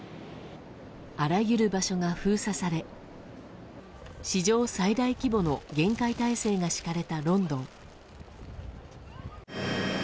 あらゆる場所が封鎖され史上最大規模の厳戒態勢が敷かれたロンドン。